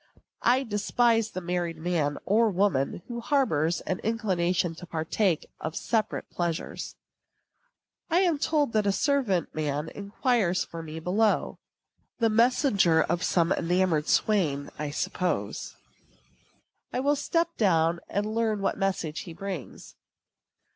I despise the married man or woman who harbors an inclination to partake of separate pleasures. I am told that a servant man inquires for me below the messenger of some enamoured swain, I suppose. I will step down and learn what message he brings.